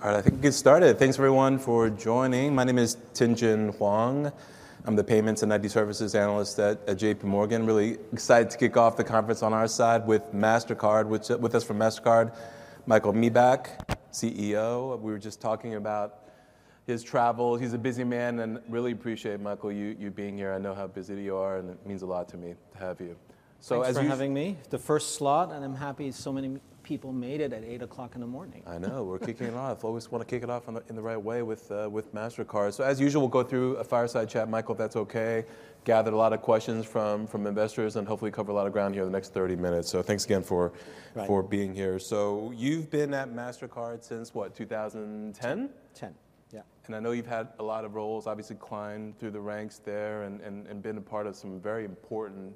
All right, I think we can get started. Thanks everyone for joining. My name is Tien-tsin Huang. I'm the Payments and ID Services analyst at J.P. Morgan. Really excited to kick off the conference on our side with Mastercard. With us from Mastercard, Michael Miebach, CEO. We were just talking about his travels. He's a busy man, and really appreciate, Michael, you being here. I know how busy you are, and it means a lot to me to have you. So as us- Thanks for having me. The first slot, and I'm happy so many people made it at 8:00 A.M. I know, we're kicking it off. Always want to kick it off on the, in the right way with, with Mastercard. So as usual, we'll go through a fireside chat, Michael, if that's okay. Gathered a lot of questions from, from investors, and hopefully cover a lot of ground here in the next 30 minutes. So thanks again for- Right For being here. So you've been at Mastercard since what, 2010? Ten, yeah. I know you've had a lot of roles, obviously climbed through the ranks there and been a part of some very important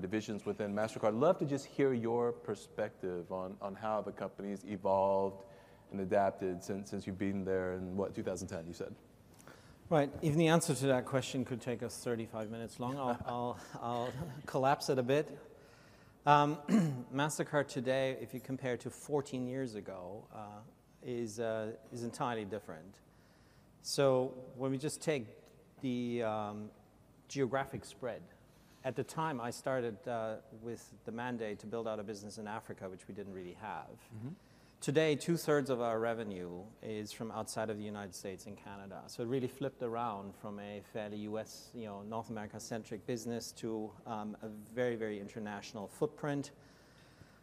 divisions within Mastercard. Love to just hear your perspective on how the company's evolved and adapted since you've been there in what, 2010, you said? Right. Even the answer to that question could take us 35 minutes long. I'll collapse it a bit. Mastercard today, if you compare to 14 years ago, is entirely different. So let me just take the geographic spread. At the time, I started, with the mandate to build out a business in Africa, which we didn't really have. Mm-hmm. Today, two-thirds of our revenue is from outside of the United States and Canada. So it really flipped around from a fairly U.S., you know, North America-centric business to a very, very international footprint.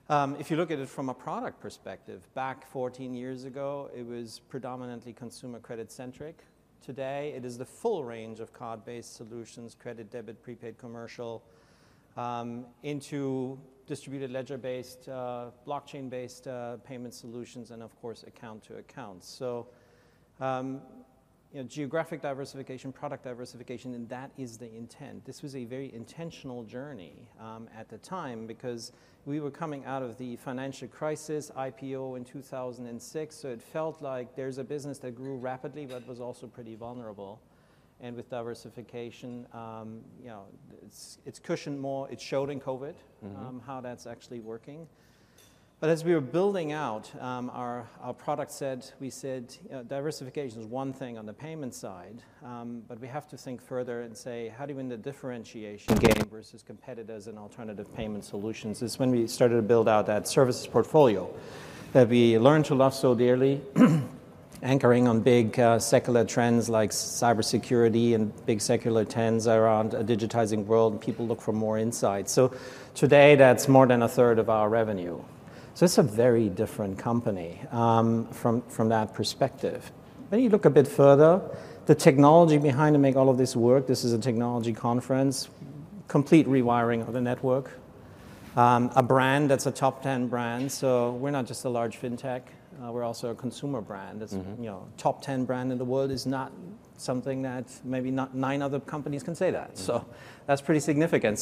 If you look at it from a product perspective, back 14 years ago, it was predominantly consumer credit-centric. Today, it is the full range of card-based solutions, credit, debit, prepaid, commercial, into distributed ledger-based, blockchain-based payment solutions, and of course, account to account. So, you know, geographic diversification, product diversification, and that is the intent. This was a very intentional journey at the time because we were coming out of the financial crisis, IPO in 2006, so it felt like there's a business that grew rapidly but was also pretty vulnerable. And with diversification, you know, it's, it's cushioned more. It showed in COVID- Mm-hmm How that's actually working. But as we were building out, our product set, we said, diversification is one thing on the payment side, but we have to think further and say: How do you win the differentiation game versus competitors and alternative payment solutions? It's when we started to build out that services portfolio that we learned to love so dearly, anchoring on big, secular trends like cybersecurity and big secular trends around a digitizing world, and people look for more insight. So today, that's more than a third of our revenue. So it's a very different company, from that perspective. Then you look a bit further, the technology behind to make all of this work, this is a technology conference, complete rewiring of the network. A brand that's a top 10 brand, so we're not just a large fintech, we're also a consumer brand. Mm-hmm. As you know, top 10 brand in the world is not something that maybe not nine other companies can say that. Mm-hmm. That's pretty significant.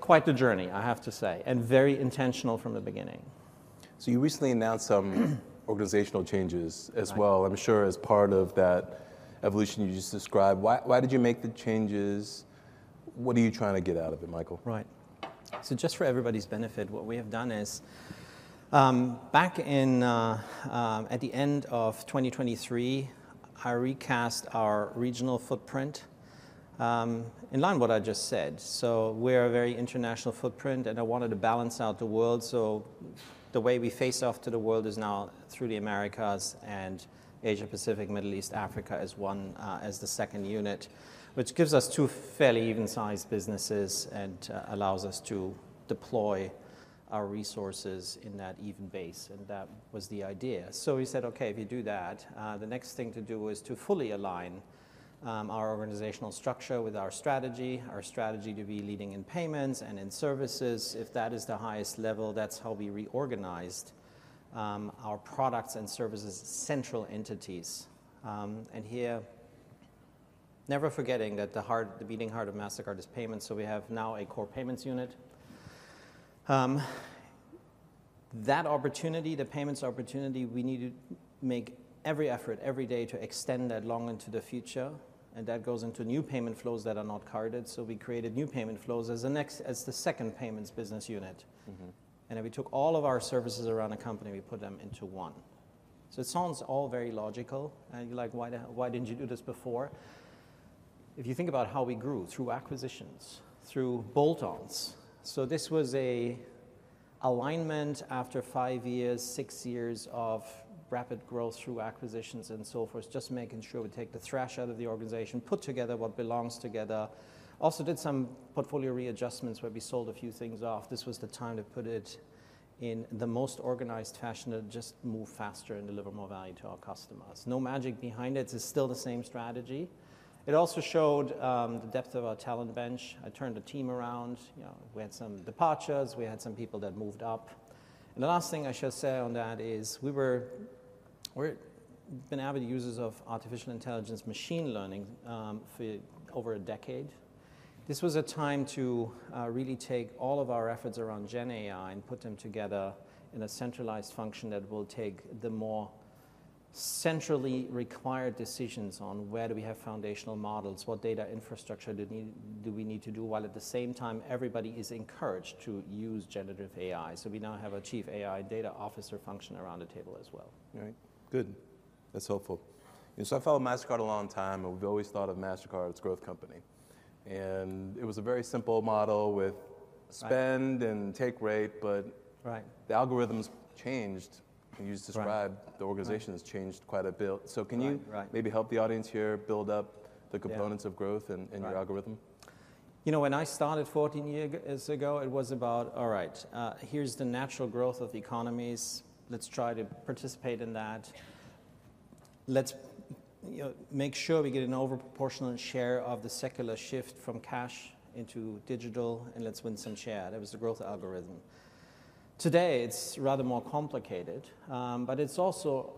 Quite the journey, I have to say, and very intentional from the beginning. So you recently announced some organizational changes as well. Right. I'm sure as part of that evolution you just described. Why, why did you make the changes? What are you trying to get out of it, Michael? Right. So just for everybody's benefit, what we have done is, back in, at the end of 2023, I recast our regional footprint, in line with what I just said. So we're a very international footprint, and I wanted to balance out the world. So the way we face off to the world is now through the Americas and Asia Pacific, Middle East, Africa, as one, as the second unit, which gives us two fairly even-sized businesses and, allows us to deploy our resources in that even base, and that was the idea. So we said, okay, if you do that, the next thing to do is to fully align, our organizational structure with our strategy, our strategy to be leading in payments and in services. If that is the highest level, that's how we reorganized our products and services' central entities. And here, never forgetting that the heart, the beating heart of Mastercard is payments, so we have now a core payments unit. That opportunity, the payments opportunity, we need to make every effort, every day to extend that long into the future, and that goes into new payment flows that are not carded. So we created new payment flows as the next, as the second payments business unit. Mm-hmm. And then we took all of our services around the company, we put them into one. So it sounds all very logical, and you're like: Why the, why didn't you do this before? If you think about how we grew through acquisitions, through bolt-ons, so this was a alignment after 5 years, 6 years of rapid growth through acquisitions and so forth. Just making sure we take the thrash out of the organization, put together what belongs together. Also did some portfolio readjustments where we sold a few things off. This was the time to put it in the most organized fashion to just move faster and deliver more value to our customers. No magic behind it. It's still the same strategy. It also showed the depth of our talent bench. I turned the team around. You know, we had some departures, we had some people that moved up. The last thing I should say on that is, we've been avid users of artificial intelligence machine learning for over a decade. This was a time to really take all of our efforts around GenAI and put them together in a centralized function that will take the more centrally required decisions on where do we have foundational models, what data infrastructure do we need, while at the same time, everybody is encouraged to use generative AI. We now have a chief AI data officer function around the table as well. All right. Good. That's helpful. So I've followed Mastercard a long time, and we've always thought of Mastercard as a growth company... and it was a very simple model with- Right. spend and take rate, but- Right. The algorithm's changed, and you just described. Right The organization has changed quite a bit. Right, right. Can you maybe help the audience here build up the components? Yeah -of growth in your algorithm? You know, when I started 14 year ago, it was about, all right, here's the natural growth of the economies. Let's try to participate in that. Let's, you know, make sure we get an overproportional share of the secular shift from cash into digital, and let's win some share. That was the growth algorithm. Today, it's rather more complicated, but it's also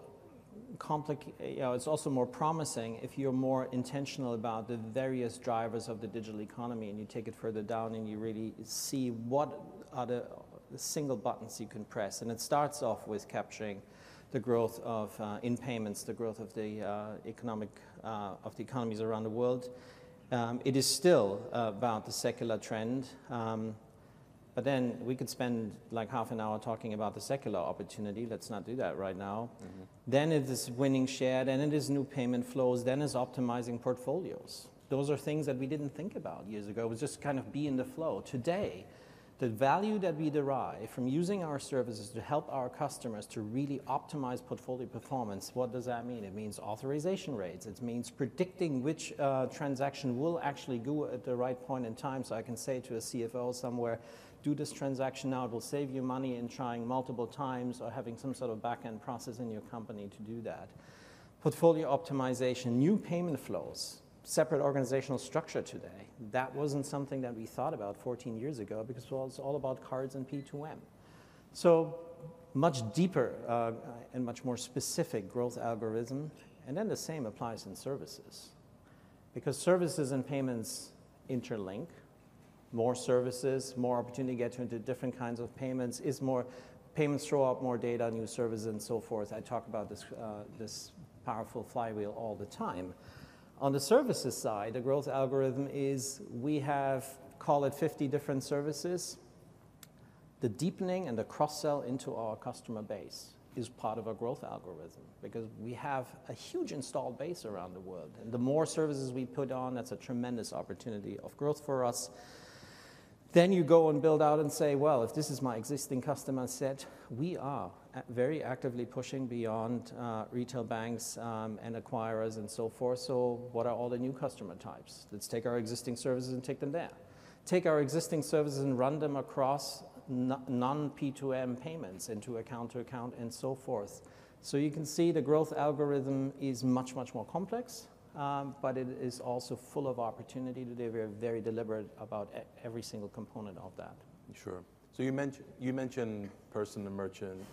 more promising if you're more intentional about the various drivers of the digital economy, and you take it further down and you really see what are the single buttons you can press. And it starts off with capturing the growth of in payments, the growth of the economic of the economies around the world. It is still about the secular trend, but then we could spend like half an hour talking about the secular opportunity. Let's not do that right now. Mm-hmm. Then it is winning share, then it is new payment flows, then it's optimizing portfolios. Those are things that we didn't think about years ago. It was just kind of be in the flow. Today, the value that we derive from using our services to help our customers to really optimize portfolio performance, what does that mean? It means authorization rates. It means predicting which transaction will actually go at the right point in time, so I can say to a CFO somewhere, "Do this transaction now, it will save you money in trying multiple times or having some sort of back-end process in your company to do that." Portfolio optimization, new payment flows, separate organizational structure today, that wasn't something that we thought about 14 years ago because it was all about cards and P2M. So much deeper, and much more specific growth algorithm, and then the same applies in services. Because services and payments interlink, more services, more opportunity to get you into different kinds of payments is more... Payments throw out more data, new services and so forth. I talk about this, this powerful flywheel all the time. On the services side, the growth algorithm is we have, call it 50 different services. The deepening and the cross-sell into our customer base is part of our growth algorithm because we have a huge installed base around the world, and the more services we put on, that's a tremendous opportunity of growth for us. Then you go and build out and say, well, if this is my existing customer set, we are at very actively pushing beyond, retail banks, and acquirers and so forth. So what are all the new customer types? Let's take our existing services and take them there. Take our existing services and run them across non-P2M payments into account-to-account and so forth. So you can see the growth algorithm is much, much more complex, but it is also full of opportunity. Today, we are very deliberate about every single component of that. Sure. So you mentioned person-to-merchant-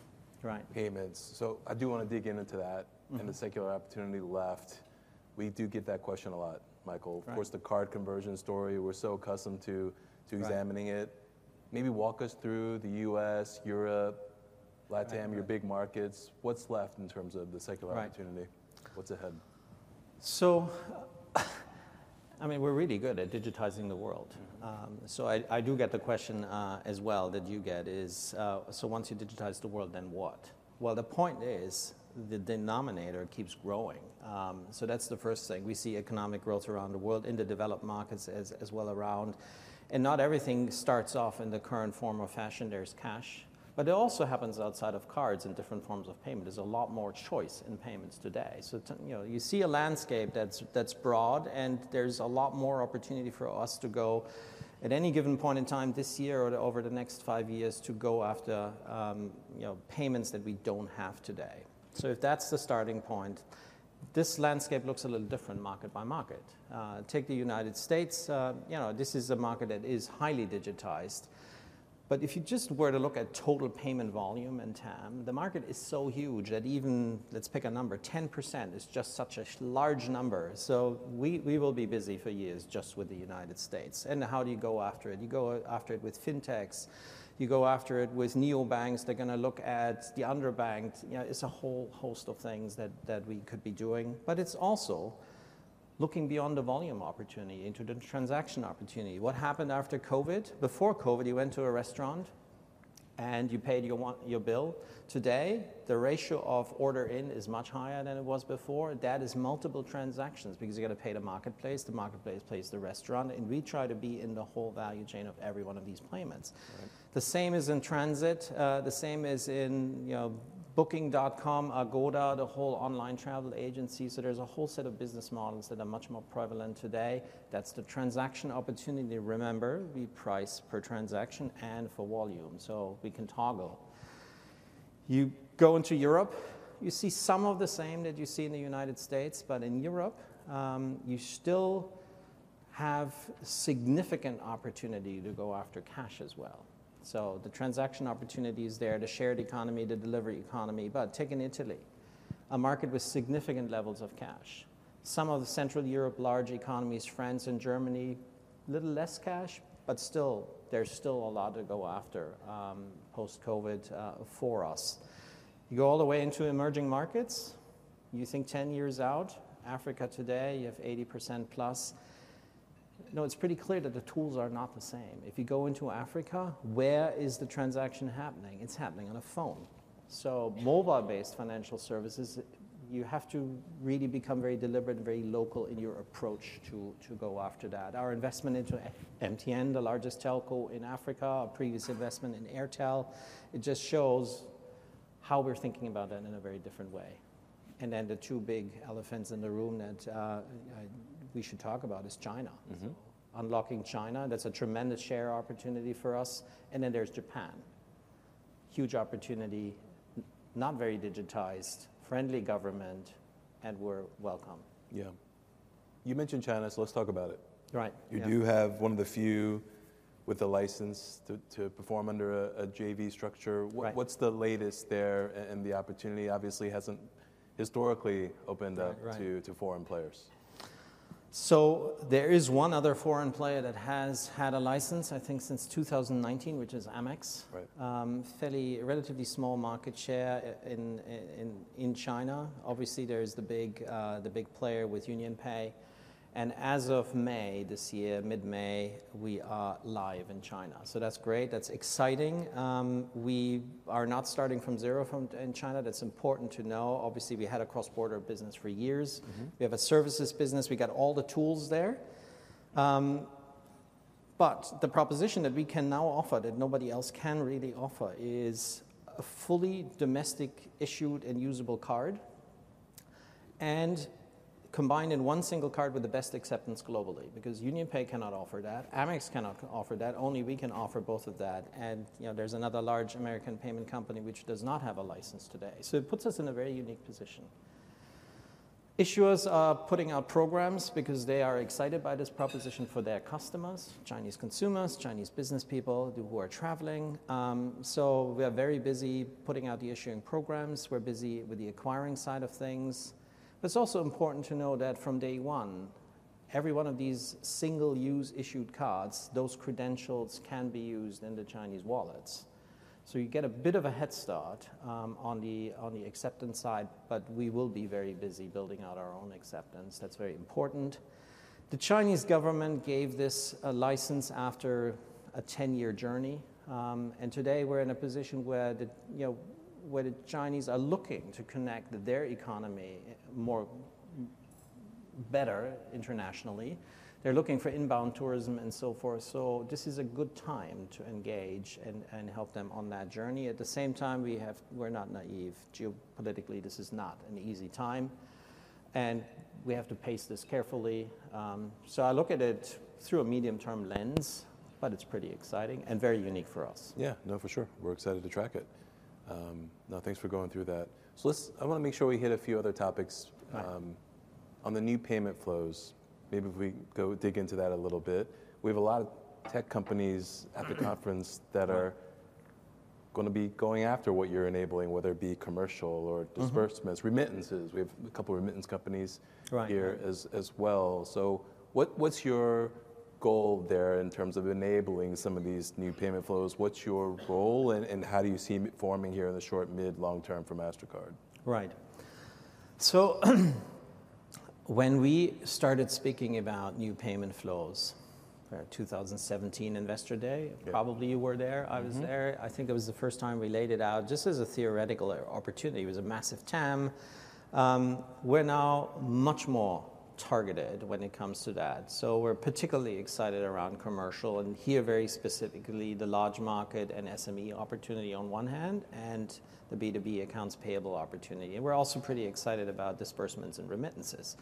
Right payments, so I do want to dig into that. Mm. and the secular opportunity left. We do get that question a lot, Michael. Right. Of course, the card conversion story, we're so accustomed to examining it. Right. Maybe walk us through the U.S., Europe, Latam- Right your big markets. What's left in terms of the secular opportunity? Right. What's ahead? So I mean, we're really good at digitizing the world. Mm-hmm. So I do get the question as well that you get is: "So once you digitize the world, then what?" Well, the point is, the denominator keeps growing. So that's the first thing. We see economic growth around the world, in the developed markets as well around, and not everything starts off in the current form or fashion. There's cash, but it also happens outside of cards in different forms of payment. There's a lot more choice in payments today. So you know, you see a landscape that's broad, and there's a lot more opportunity for us to go, at any given point in time this year or over the next five years, to go after, you know, payments that we don't have today. So if that's the starting point, this landscape looks a little different market by market. Take the United States, you know, this is a market that is highly digitized, but if you just were to look at total payment volume and TAM, the market is so huge that even, let's pick a number, 10% is just such a large number. So we, we will be busy for years just with the United States. And how do you go after it? You go after it with fintechs. You go after it with neobanks. They're gonna look at the underbanked. You know, it's a whole host of things that, that we could be doing, but it's also looking beyond the volume opportunity into the transaction opportunity. What happened after COVID? Before COVID, you went to a restaurant and you paid your your bill. Today, the ratio of order-in is much higher than it was before, and that is multiple transactions because you've got to pay the marketplace, the marketplace pays the restaurant, and we try to be in the whole value chain of every one of these payments. Right. The same is in transit, the same as in, you know, Booking.com, Agoda, the whole online travel agencies. So there's a whole set of business models that are much more prevalent today. That's the transaction opportunity. Remember, we price per transaction and for volume, so we can toggle. You go into Europe, you see some of the same that you see in the United States, but in Europe, you still have significant opportunity to go after cash as well. So the transaction opportunity is there, the shared economy, the delivery economy. But take in Italy, a market with significant levels of cash. Some of the Central Europe large economies, France and Germany, little less cash, but still, there's still a lot to go after, post-COVID, for us. You go all the way into emerging markets, you think 10 years out, Africa today, you have 80%+. No, it's pretty clear that the tools are not the same. If you go into Africa, where is the transaction happening? It's happening on a phone. So mobile-based financial services, you have to really become very deliberate and very local in your approach to, to go after that. Our investment into MTN, the largest telco in Africa, our previous investment in Airtel, it just shows how we're thinking about that in a very different way. And then the two big elephants in the room that we should talk about is China. Mm-hmm. Unlocking China, that's a tremendous share opportunity for us. And then there's Japan. Huge opportunity, not very digitized, friendly government, and we're welcome. Yeah. You mentioned China, so let's talk about it. Right, yeah. You do have one of the few with a license to perform under a JV structure. Right. What's the latest there? And the opportunity obviously hasn't historically opened up- Right, right To foreign players. So there is one other foreign player that has had a license, I think, since 2019, which is Amex. Right. Fairly, relatively small market share in China. Obviously, there is the big player with UnionPay, and as of May this year, mid-May, we are live in China. So that's great. That's exciting. We are not starting from zero in China. That's important to know. Obviously, we had a cross-border business for years. Mm-hmm. We have a services business. We got all the tools there. But the proposition that we can now offer, that nobody else can really offer, is a fully domestic issued and usable card, and combined in one single card with the best acceptance globally. Because UnionPay cannot offer that, Amex cannot offer that, only we can offer both of that, and, you know, there's another large American payment company which does not have a license today. So it puts us in a very unique position. Issuers are putting out programs because they are excited by this proposition for their customers, Chinese consumers, Chinese business people who are traveling. So we are very busy putting out the issuing programs. We're busy with the acquiring side of things. But it's also important to know that from day one, every one of these single-use issued cards, those credentials can be used in the Chinese wallets. So you get a bit of a head start on the acceptance side, but we will be very busy building out our own acceptance. That's very important. The Chinese government gave this a license after a ten-year journey, and today we're in a position where, you know, the Chinese are looking to connect their economy more better internationally. They're looking for inbound tourism and so forth. So this is a good time to engage and help them on that journey. At the same time, we have... We're not naive. Geopolitically, this is not an easy time, and we have to pace this carefully. I look at it through a medium-term lens, but it's pretty exciting and very unique for us. Yeah, no, for sure. We're excited to track it. Now, thanks for going through that. So let's. I want to make sure we hit a few other topics. Right. On the new payment flows, maybe if we go dig into that a little bit. We have a lot of tech companies at the conference that are going to be going after what you're enabling, whether it be commercial or- Mm-hmm Disbursements, remittances. We have a couple remittance companies- Right So what, what's your goal there in terms of enabling some of these new payment flows? What's your role, and how do you see it forming here in the short, mid, long term for Mastercard? Right. So, when we started speaking about new payment flows, 2017 Investor Day- Yeah. Probably you were there. Mm-hmm. I was there. I think it was the first time we laid it out, just as a theoretical opportunity. It was a massive TAM. We're now much more targeted when it comes to that. So we're particularly excited around commercial, and here, very specifically, the large market and SME opportunity on one hand, and the B2B accounts payable opportunity. And we're also pretty excited about disbursements and remittances.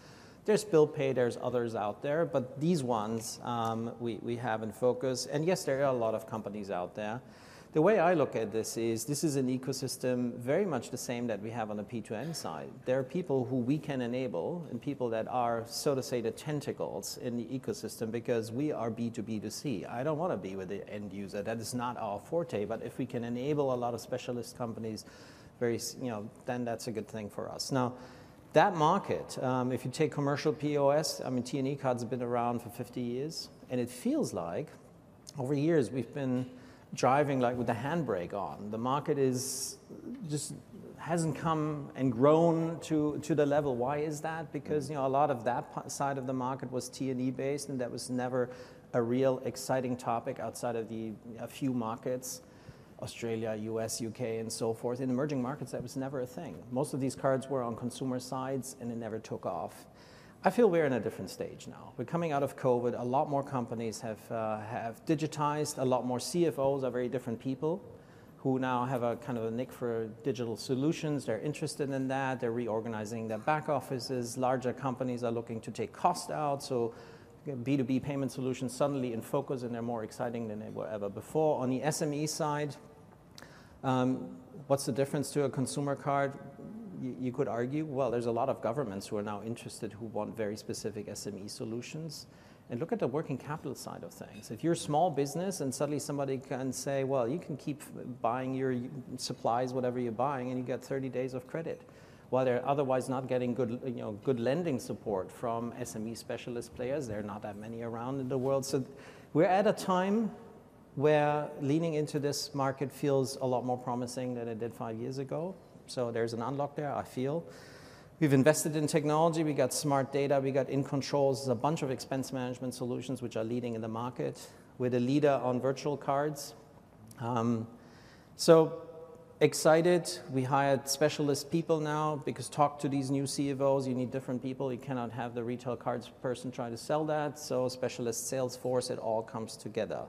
There's bill pay, there's others out there, but these ones, we have in focus, and yes, there are a lot of companies out there. The way I look at this is, this is an ecosystem very much the same that we have on the P2M side. There are people who we can enable and people that are, so to say, the tentacles in the ecosystem because we are B2B2C. I don't want to be with the end user. That is not our forte, but if we can enable a lot of specialist companies, you know, then that's a good thing for us. Now, that market, if you take commercial POS, I mean, T&E cards have been around for 50 years, and it feels like over years we've been driving, like, with the handbrake on. The market just hasn't come and grown to the level. Why is that? Mm. Because, you know, a lot of that pay side of the market was T&E based, and that was never a real exciting topic outside of the, a few markets, Australia, US, UK, and so forth. In emerging markets, that was never a thing. Most of these cards were on consumer sides, and they never took off. I feel we're in a different stage now. We're coming out of COVID. A lot more companies have digitized. A lot more CFOs are very different people, who now have a kind of a knack for digital solutions. They're interested in that. They're reorganizing their back offices. Larger companies are looking to take cost out, so B2B payment solutions suddenly in focus, and they're more exciting than they were ever before. On the SME side, what's the difference to a consumer card? You could argue, well, there's a lot of governments who are now interested, who want very specific SME solutions. And look at the working capital side of things. If you're a small business and suddenly somebody can say, "Well, you can keep buying your supplies, whatever you're buying, and you get 30 days of credit," while they're otherwise not getting good, you know, good lending support from SME specialist players. There are not that many around in the world. So we're at a time where leaning into this market feels a lot more promising than it did 5 years ago. So there's an unlock there, I feel. We've invested in technology, we got Smart Data, we got in controls, a bunch of expense management solutions, which are leading in the market. We're the leader on virtual cards. So excited. We hired specialist people now because, talk to these new CFOs, you need different people. You cannot have the retail cards person try to sell that, so specialist sales force, it all comes together.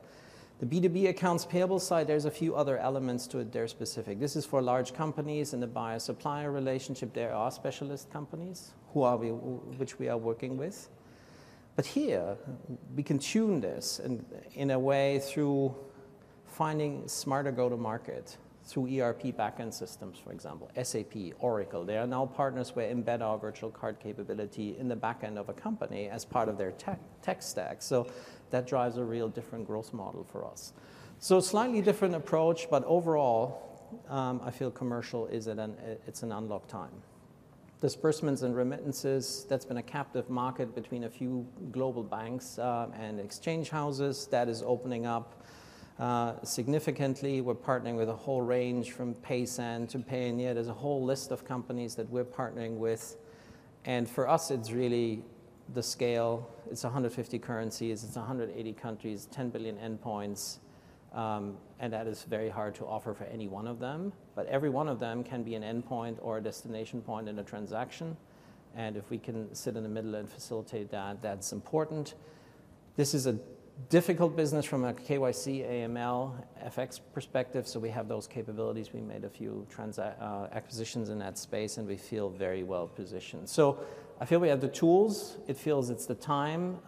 The B2B accounts payable side, there's a few other elements to it that are specific. This is for large companies in the buyer-supplier relationship. There are specialist companies who are we, which we are working with, but here we can tune this and in a way, through finding smarter go-to-market, through ERP backend systems, for example, SAP, Oracle, they are now partners where embed our virtual card capability in the backend of a company as part of their tech, tech stack. So that drives a real different growth model for us. So slightly different approach, but overall, I feel commercial is at an, it's an unlock time. Disbursement and remittances, that's been a captive market between a few global banks and exchange houses. That is opening up significantly. We're partnering with a whole range from Paysend to Payoneer. There's a whole list of companies that we're partnering with, and for us, it's really the scale. It's 150 currencies, it's 180 countries, 10 billion endpoints, and that is very hard to offer for any one of them. But every one of them can be an endpoint or a destination point in a transaction, and if we can sit in the middle and facilitate that, that's important. This is a difficult business from a KYC, AML, FX perspective, so we have those capabilities. We made a few acquisitions in that space, and we feel very well positioned. So I feel we have the tools, it feels it's the time,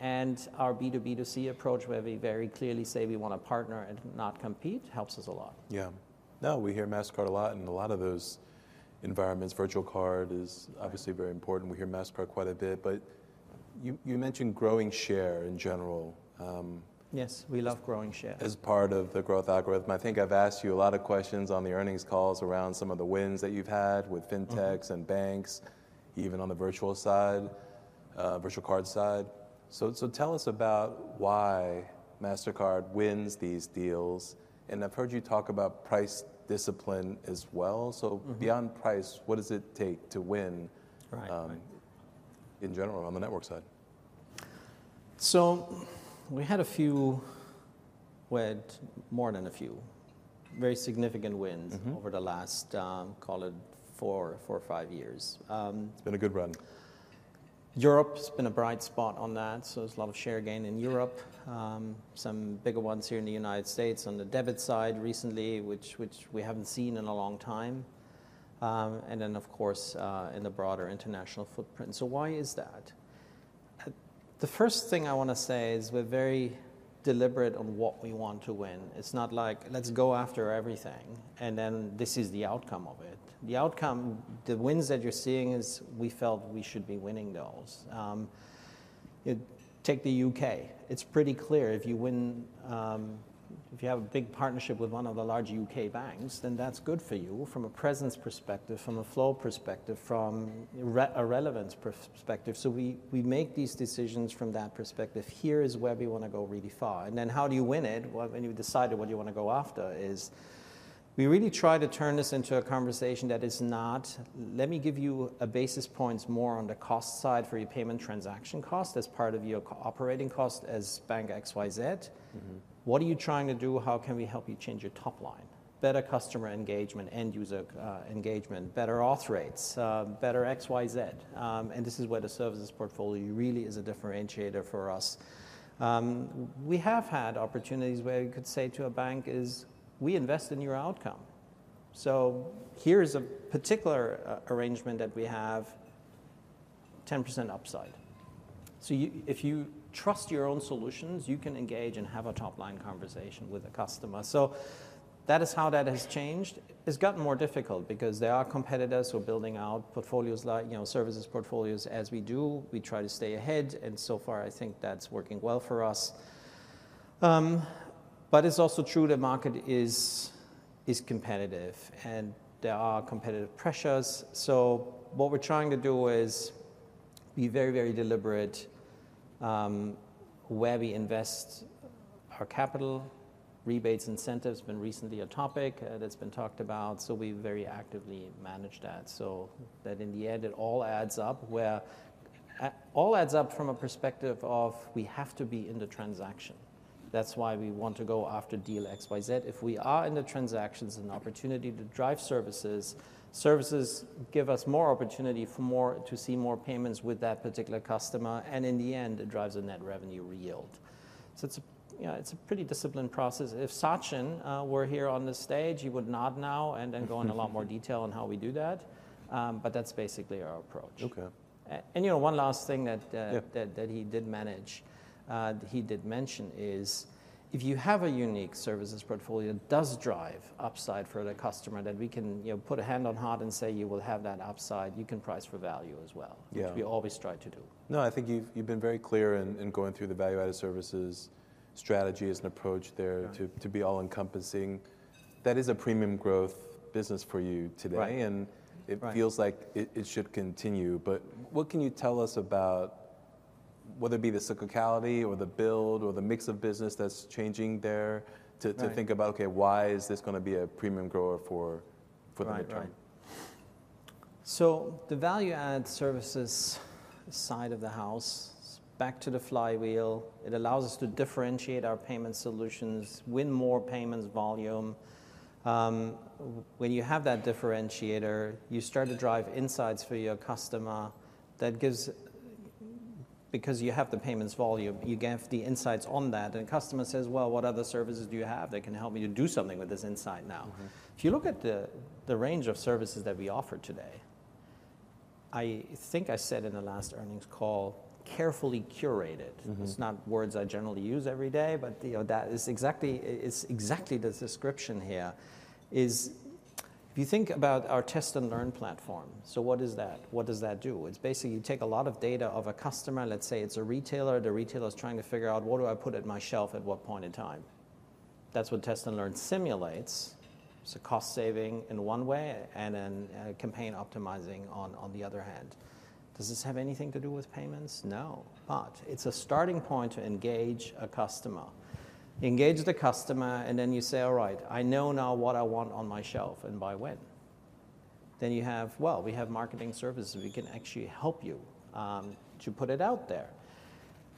and our B2B2C approach, where we very clearly say we want to partner and not compete, helps us a lot. Yeah. Now, we hear Mastercard a lot, and a lot of those environments, virtual card is obviously very important. We hear Mastercard quite a bit, but you, you mentioned growing share in general, Yes, we love growing share. As part of the growth algorithm, I think I've asked you a lot of questions on the earnings calls around some of the wins that you've had with fintechs- Mm-hmm. -and banks, even on the virtual side, virtual card side. So, so tell us about why Mastercard wins these deals, and I've heard you talk about price discipline as well. Mm-hmm. Beyond price, what does it take to win? Right In general on the network side? We had a few, we had more than a few, very significant wins- Mm-hmm Over the last, call it 4, 4 or 5 years. It's been a good run. Europe's been a bright spot on that, so there's a lot of share gain in Europe. Some bigger ones here in the United States on the debit side recently, which we haven't seen in a long time, and then, of course, in the broader international footprint. So why is that? The first thing I want to say is we're very deliberate on what we want to win. It's not like, let's go after everything, and then this is the outcome of it. The outcome, the wins that you're seeing is we felt we should be winning those. Take the U.K.; it's pretty clear if you win, if you have a big partnership with one of the large U.K. banks, then that's good for you from a presence perspective, from a flow perspective, from a relevance perspective. So we make these decisions from that perspective. Here is where we want to go really far, and then how do you win it? Well, when you decide what you want to go after is, we really try to turn this into a conversation that is not, "Let me give you a basis points more on the cost side for your payment transaction cost as part of your operating cost as bank XYZ. Mm-hmm. What are you trying to do? How can we help you change your top line? Better customer engagement, end user, engagement, better auth rates, better XYZ," and this is where the services portfolio really is a differentiator for us. We have had opportunities where you could say to a bank is, we invest in your outcome. So here is a particular arrangement that we have 10% upside. So you, if you trust your own solutions, you can engage and have a top-line conversation with the customer. So that is how that has changed. It's gotten more difficult because there are competitors who are building out portfolios like, you know, services portfolios. As we do, we try to stay ahead, and so far, I think that's working well for us. But it's also true the market is, is competitive and there are competitive pressures. So what we're trying to do is be very, very deliberate where we invest our capital, rebates, incentives, been recently a topic that's been talked about, so we very actively manage that. So that in the end, it all adds up, where all adds up from a perspective of we have to be in the transaction. That's why we want to go after deal XYZ. If we are in the transactions, an opportunity to drive services, services give us more opportunity for more, to see more payments with that particular customer, and in the end, it drives a net revenue yield. So it's, you know, it's a pretty disciplined process. If Sachin were here on the stage, he would nod now and then go in a lot more detail on how we do that, but that's basically our approach. Okay. And, you know, one last thing that, Yeah... that, that he did manage, he did mention is, if you have a unique services portfolio, it does drive upside for the customer, that we can, you know, put a hand on heart and say, "You will have that upside," you can price for value as well. Yeah. Which we always try to do. No, I think you've been very clear in going through the value-added services strategy as an approach there- Right To be all-encompassing. That is a premium growth business for you today- Right. And it feels like it, it should continue. But what can you tell us about whether it be the cyclicality or the build or the mix of business that's changing there? Right. to think about, okay, why is this going to be a premium grower for the long term? Right, right. So the value-add services side of the house, back to the flywheel, it allows us to differentiate our payment solutions, win more payments volume. When you have that differentiator, you start to drive insights for your customer that gives, because you have the payments volume, you get the insights on that, and the customer says: "Well, what other services do you have that can help me to do something with this insight now? Mm-hmm. If you look at the range of services that we offer today, I think I said in the last earnings call, carefully curated. Mm-hmm. It's not words I generally use every day, but you know, that is exactly, it's exactly the description here, if you think about our Test & Learn platform. So what is that? What does that do? It's basically you take a lot of data of a customer, let's say it's a retailer. The retailer is trying to figure out, what do I put at my shelf, at what point in time? That's what Test & Learn simulates. It's a cost saving in one way, and then a campaign optimizing on the other hand. Does this have anything to do with payments? No, but it's a starting point to engage a customer. Engage the customer, and then you say: "All right, I know now what I want on my shelf and by when." Then you have, well, we have marketing services. We can actually help you, to put it out there.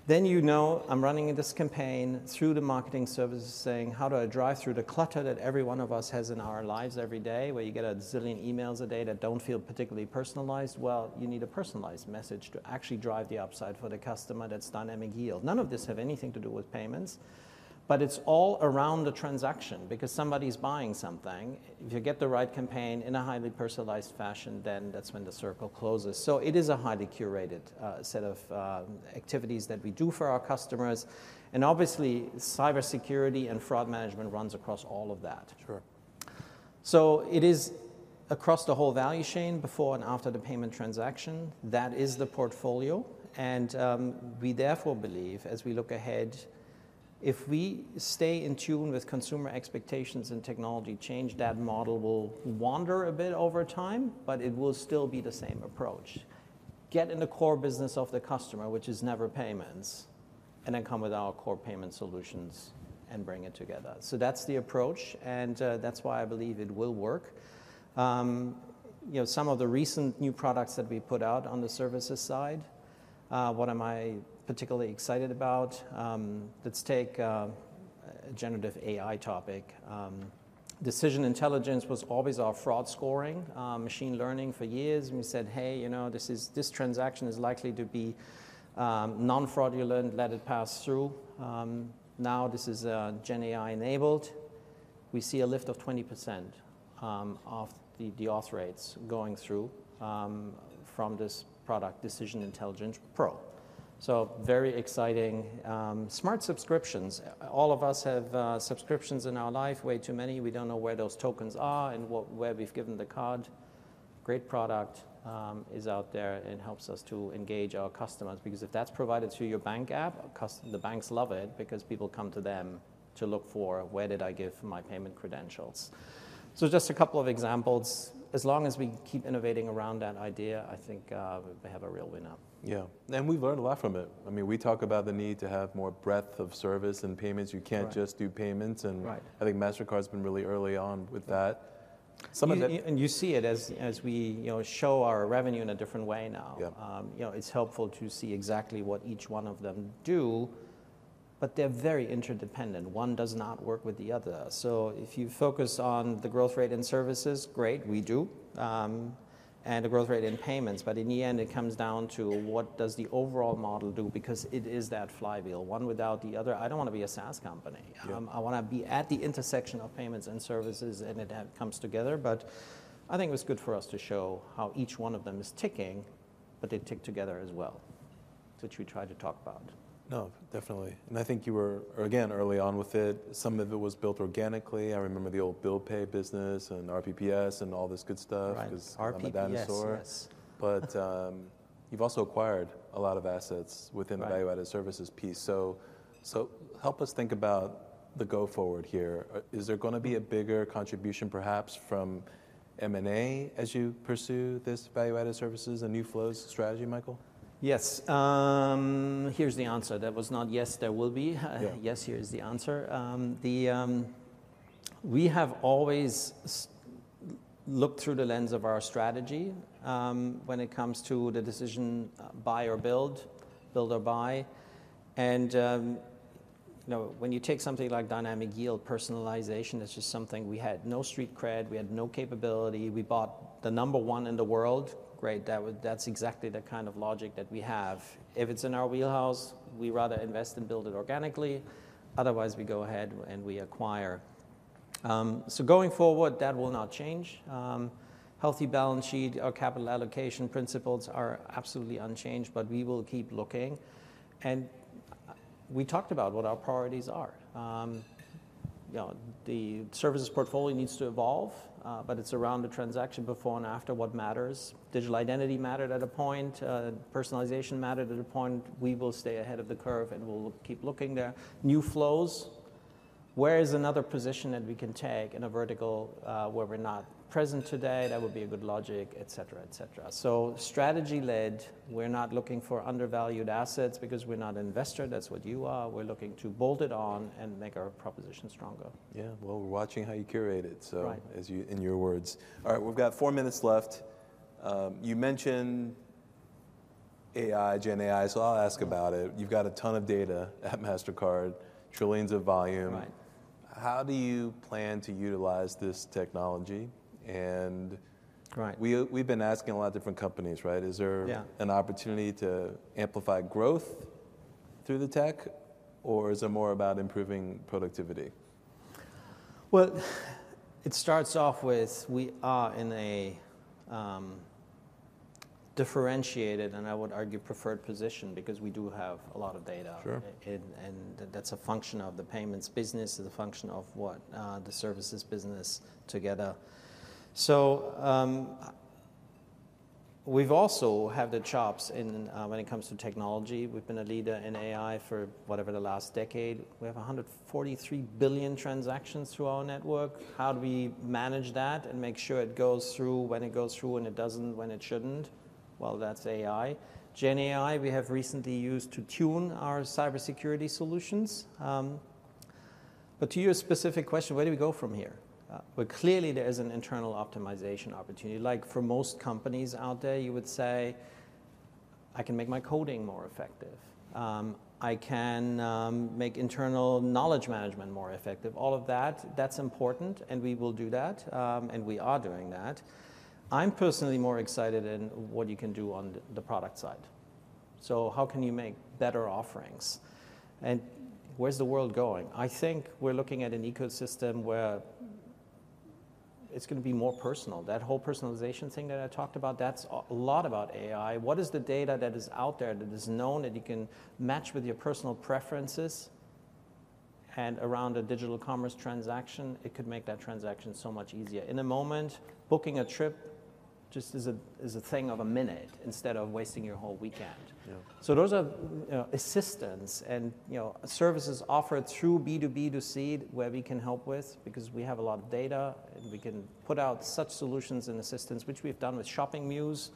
Then, you know, I'm running this campaign through the marketing services, saying: How do I drive through the clutter that every one of us has in our lives every day, where you get a zillion emails a day that don't feel particularly personalized? Well, you need a personalized message to actually drive the upside for the customer. That's Dynamic Yield. None of this have anything to do with payments, but it's all around the transaction because somebody's buying something. If you get the right campaign in a highly personalized fashion, then that's when the circle closes. So it is a highly curated, set of, activities that we do for our customers. And obviously, cybersecurity and fraud management runs across all of that. Sure. So it is across the whole value chain, before and after the payment transaction. That is the portfolio, and we therefore believe, as we look ahead, if we stay in tune with consumer expectations and technology change, that model will wander a bit over time, but it will still be the same approach. Get in the core business of the customer, which is never payments, and then come with our core payment solutions and bring it together. So that's the approach, and that's why I believe it will work. You know, some of the recent new products that we put out on the services side, what am I particularly excited about? Let's take a generative AI topic. Decision Intelligence was always our fraud scoring, machine learning for years. And we said: "Hey, you know, this is, this transaction is likely to be non-fraudulent. Let it pass through." Now, this is GenAI enabled. We see a lift of 20% of the auth rates going through from this product, Decision Intelligence Pro. So very exciting. Smart Subscriptions. All of us have subscriptions in our life. Way too many. We don't know where those tokens are and what, where we've given the card. Great product is out there and helps us to engage our customers, because if that's provided through your bank app, the banks love it because people come to them to look for, where did I give my payment credentials? So just a couple of examples. As long as we keep innovating around that idea, I think we have a real winner. Yeah, and we've learned a lot from it. I mean, we talk about the need to have more breadth of service and payments. Right. You can't just do payments- Right. and I think Mastercard's been really early on with that. Some of the You see it as we, you know, show our revenue in a different way now. Yeah. You know, it's helpful to see exactly what each one of them do, but they're very interdependent. One does not work with the other. So if you focus on the growth rate in services, great, we do, and the growth rate in payments, but in the end, it comes down to what does the overall model do? Because it is that flywheel, one without the other... I don't want to be a SaaS company. Yeah. I want to be at the intersection of payments and services, and it comes together. But I think it was good for us to show how each one of them is ticking, but they tick together as well, that we tried to talk about. No, definitely. I think you were, again, early on with it. Some of it was built organically. I remember the old bill pay business and RPPS and all this good stuff. Right. RPPS 'Cause I'm a dinosaur. Yes. But, you've also acquired a lot of assets within- Right the value-added services piece. So, so help us think about the go forward here. Is there going to be a bigger contribution, perhaps from M&A, as you pursue this value-added services and new flows strategy, Michael? Yes, here's the answer. That was not yes, there will be. Yeah. Yes, here is the answer. We have always looked through the lens of our strategy, when it comes to the decision, buy or build, build or buy. And, you know, when you take something like Dynamic Yield, personalization is just something we had no street cred, we had no capability. We bought the number one in the world. Great, that would, that's exactly the kind of logic that we have. If it's in our wheelhouse, we rather invest and build it organically. Otherwise, we go ahead, and we acquire. So going forward, that will not change. Healthy balance sheet, our capital allocation principles are absolutely unchanged, but we will keep looking, and we talked about what our priorities are. You know, the services portfolio needs to evolve, but it's around the transaction before and after what matters. Digital identity mattered at a point. Personalization mattered at a point. We will stay ahead of the curve, and we'll keep looking there. Where is another position that we can take in a vertical, where we're not present today, that would be a good logic, et cetera, et cetera. So strategy-led, we're not looking for undervalued assets because we're not an investor. That's what you are. We're looking to bolt it on and make our proposition stronger. Yeah, well, we're watching how you curate it, so- Right As you, in your words. All right, we've got four minutes left. You mentioned AI, GenAI, so I'll ask about it. You've got a ton of data at Mastercard, trillions of volume. Right. How do you plan to utilize this technology? Right. We've been asking a lot of different companies, right? Yeah. Is there an opportunity to amplify growth through the tech, or is it more about improving productivity? Well, it starts off with we are in a differentiated, and I would argue, preferred position because we do have a lot of data. Sure. That's a function of the payments business, it's a function of what the services business together. So, we've also have the chops in when it comes to technology. We've been a leader in AI for whatever the last decade. We have 143 billion transactions through our network. How do we manage that and make sure it goes through when it goes through and it doesn't when it shouldn't? Well, that's AI. GenAI, we have recently used to tune our cybersecurity solutions. But to your specific question, where do we go from here? But clearly there is an internal optimization opportunity. Like for most companies out there, you would say, "I can make my coding more effective. I can make internal knowledge management more effective." All of that, that's important, and we will do that, and we are doing that. I'm personally more excited in what you can do on the product side. So how can you make better offerings, and where's the world going? I think we're looking at an ecosystem where it's gonna be more personal. That whole personalization thing that I talked about, that's a lot about AI. What is the data that is out there that is known, that you can match with your personal preferences, and around a digital commerce transaction, it could make that transaction so much easier? In the moment, booking a trip just is a thing of a minute instead of wasting your whole weekend. Yeah. So those are, you know, assistance and, you know, services offered through B2B2C, where we can help with because we have a lot of data, and we can put out such solutions and assistance, which we've done with Shopping Muse,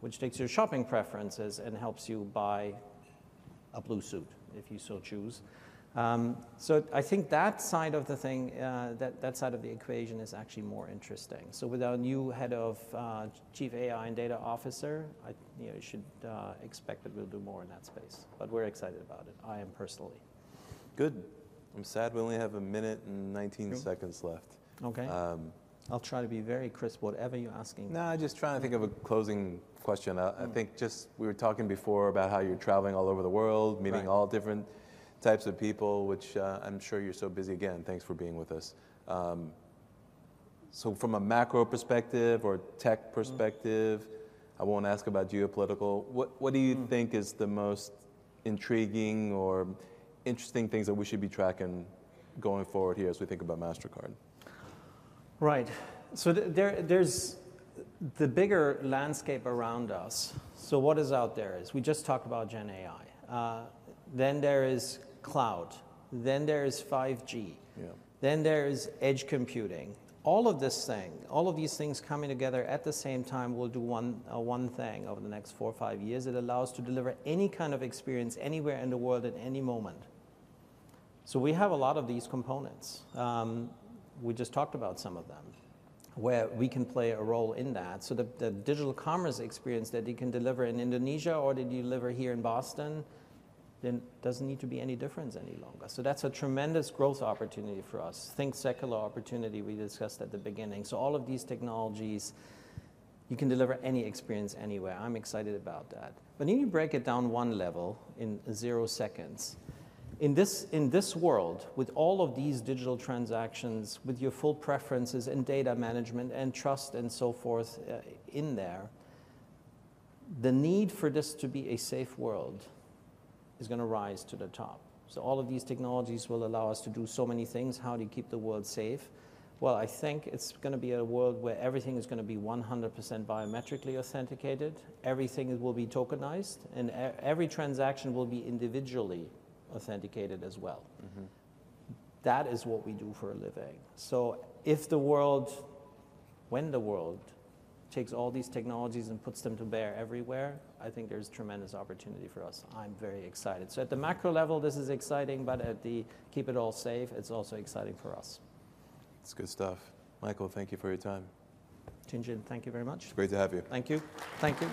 which takes your shopping preferences and helps you buy a blue suit if you so choose. So I think that side of the thing, that side of the equation is actually more interesting. So with our new head of Chief AI and Data Officer, I, you know, should expect that we'll do more in that space, but we're excited about it. I am personally. Good. I'm sad we only have 1 minute and 19 seconds left. Okay. Um... I'll try to be very crisp, whatever you're asking me. No, I'm just trying to think of a closing question. Mm. I think just we were talking before about how you're traveling all over the world- Right Meeting all different types of people, which, I'm sure you're so busy. Again, thanks for being with us. So from a macro perspective or tech perspective- Mm I won't ask about geopolitical. What, what do you think- Mm... is the most intriguing or interesting things that we should be tracking going forward here as we think about Mastercard? Right. So there, there's the bigger landscape around us. So what is out there is, we just talked about GenAI. Then there is cloud, then there is 5G. Yeah. Then there's edge computing. All of this thing, all of these things coming together at the same time will do one, one thing over the next four or five years. It allows to deliver any kind of experience anywhere in the world at any moment. So we have a lot of these components, we just talked about some of them, where we can play a role in that. So the, the digital commerce experience that you can deliver in Indonesia or they deliver here in Boston, then doesn't need to be any difference any longer. So that's a tremendous growth opportunity for us. Think secular opportunity we discussed at the beginning. So all of these technologies, you can deliver any experience anywhere. I'm excited about that. But then you break it down one level in zero seconds. In this, in this world, with all of these digital transactions, with your full preferences and data management and trust and so forth, in there, the need for this to be a safe world is gonna rise to the top. So all of these technologies will allow us to do so many things. How do you keep the world safe? Well, I think it's gonna be a world where everything is gonna be 100% biometrically authenticated, everything will be tokenized, and every transaction will be individually authenticated as well. Mm-hmm. That is what we do for a living. So if the world, when the world takes all these technologies and puts them to bear everywhere, I think there's tremendous opportunity for us. I'm very excited. So at the macro level, this is exciting, but at the keep it all safe, it's also exciting for us. It's good stuff. Michael, thank you for your time. Tien-tsin, thank you very much. Great to have you. Thank you. Thank you.